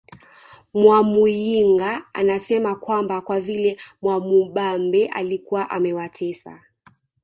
Mwamuyinga anasema kwamba kwa vile Mwamubambe alikuwa amewatesa